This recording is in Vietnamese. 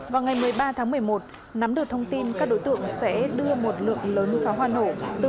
vào ngày một mươi ba tháng một mươi một nắm được thông tin các đối tượng sẽ đưa một lượng lớn pháo hoa nổ